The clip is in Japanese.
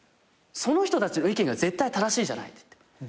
「その人たちの意見が絶対正しいじゃない」